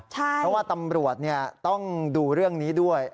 เพราะว่าตำรวจต้องดูเรื่องนี้ด้วย